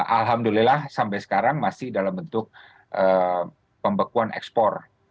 alhamdulillah sampai sekarang masih dalam bentuk pembekuan ekspor